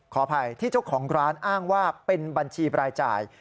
ขออภัยที่เจ้าของร้านอ้างว่าเป็นบัญชีบรายจ่าย